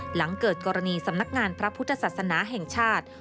หลังเกิดกรณีสำนักงานพระพุทธศาสนาแห่งชาติ